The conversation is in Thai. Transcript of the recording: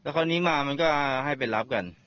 เพราะแบบนี้มามันก็ให้เป็นลับกัน